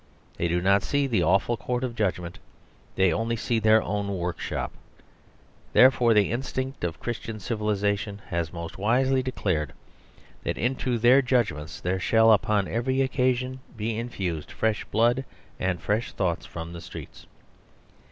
They do not see the awful court of judgment; they only see their own workshop. Therefore, the instinct of Christian civilisation has most wisely declared that into their judgments there shall upon every occasion be infused fresh blood and fresh thoughts from the streets.